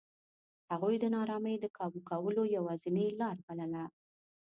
هغوی د نارامۍ د کابو کولو یوازینۍ لار بلله.